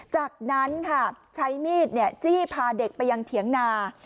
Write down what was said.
จากนั้นค่ะใช้มีดจี้พาเด็กไปยังเถียงนา